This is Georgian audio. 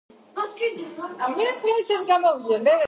ზუსტად ისე, როგორც აღფრთოვანებული იყო ვენეციაში.